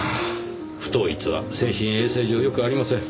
不統一は精神衛生上よくありません。